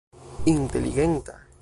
inteligenta